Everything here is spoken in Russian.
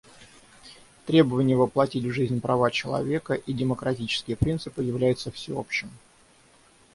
Требование воплотить в жизнь права человека и демократические принципы является всеобщим.